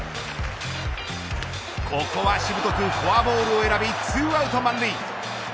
ここはしぶとくフォアボールを選び２アウト満塁。